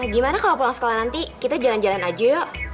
gimana kalau pulang sekolah nanti kita jalan jalan aja yuk